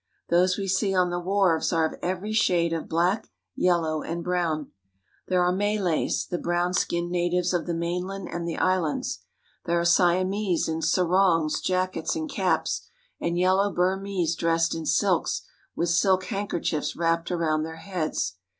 Those we see on the wharves are of every shade of black, yellow, and brown. There are Malays, the brown skinned natives of the mainland and the islands ; there are Siamese in sarongs, jackets and caps, and yellow Burmese dressed in silks, with silk handkerchiefs wrapped around their heads.